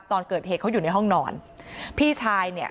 ตอนเกิดเหตุเขาอยู่ในห้องนอนพี่ชายเนี่ย